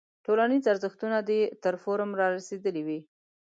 ټولنیز ارزښتونه دې تر فورم رارسېدلی وي.